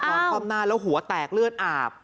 นอนความหน้าแล้วหัวแตกเลือดอาบ